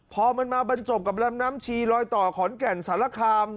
พอมันมาบรรจบกับลำน้ำชีลอยต่อขอนแก่นสารคาม